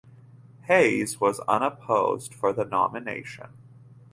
Hays was unopposed for the nomination.